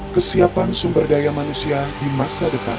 kesiapan sumber daya manusia di masa depan